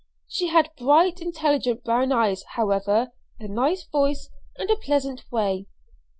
She had bright intelligent brown eyes, however, a nice voice, and a pleasant way.